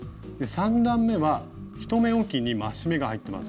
３段めは１目おきに増し目が入っています。